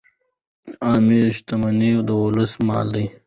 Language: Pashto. عامه شتمني د ولس مال دی.